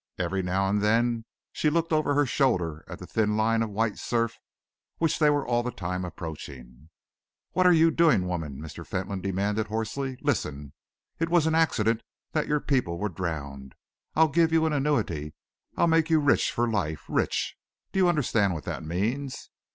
Every now and then she looked over her shoulder at that thin line of white surf which they were all the time approaching. "What are you doing, woman?" Mr. Fentolin demanded hoarsely. "Listen! It was an accident that your people were drowned. I'll give you an annuity. I'll make you rich for life rich! Do you understand what that means?"